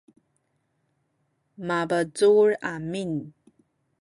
mabecul amin